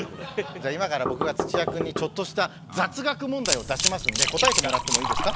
じゃあ今から僕が土屋君にちょっとした雑学問題を出しますので答えてもらってもいいですか？